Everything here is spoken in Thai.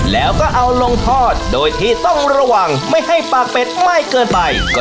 แล้วก็ปั่นให้ทุกอย่างเข้ากันนะคะ